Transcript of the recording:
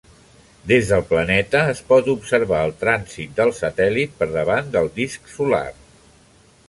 Des del planeta, es pot observar el trànsit del satèl·lit per davant del disc solar.